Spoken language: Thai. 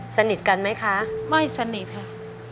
สนิทกันไหมคะไม่สนิทค่ะ